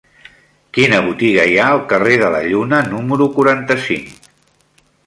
Quina botiga hi ha al carrer de la Lluna número quaranta-cinc?